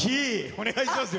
お願いしますよ。